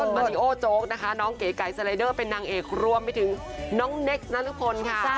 มาริโอโจ๊กนะคะน้องเก๋ไก่สไลเดอร์เป็นนางเอกรวมไปถึงน้องเนคนรพลค่ะ